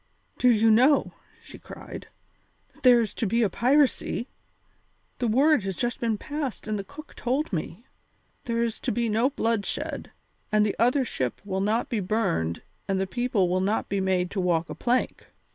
"Do you know," she cried, "that there is to be a piracy? The word has just been passed and the cook told me. There is to be no bloodshed, and the other ship will not be burned and the people will not be made to walk a plank.